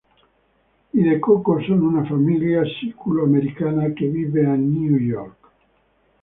I De Coco sono una famiglia siculo-americana che vive a New York.